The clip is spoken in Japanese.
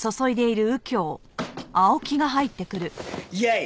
やい！